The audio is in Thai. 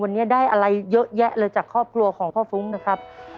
วันนี้ได้อะไรเยอะแยะเลยจากครอบครัวของพ่อฟุ้งนะครับ